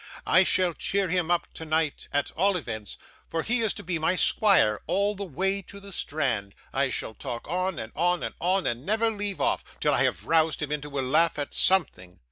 I shall cheer him up tonight, at all events, for if he is to be my squire all the way to the Strand, I shall talk on, and on, and on, and never leave off, till I have roused him into a laugh at something.